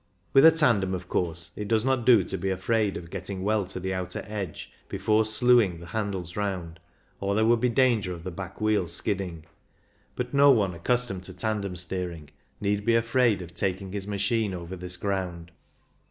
With a tandem, of course, it does not do to be afraid of getting well to the outer edge before slewing the handles round, or there would be danger of the back wheel skidding ; but no one accustomed to tandem steering need be afraid of taking his machine over this ground.